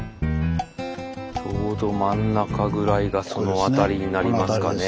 ちょうど真ん中ぐらいがその辺りになりますかね。